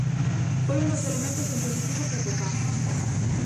Foi un dos elementos en positivo que atopamos.